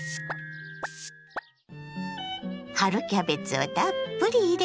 春キャベツをたっぷり入れ